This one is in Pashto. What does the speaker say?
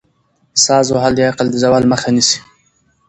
ساز وهل د عقل د زوال مخه نیسي.